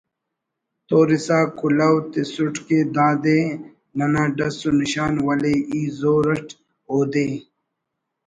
تورسا کلہو تسٹ کہ دا دے ننا ڈس و نشان ولے ای زور اٹ اودے